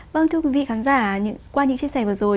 vâng thưa quý vị khán giả qua những chia sẻ vừa rồi